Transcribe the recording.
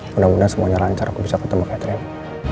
mudah mudahan semuanya lancar aku bisa ketemu catering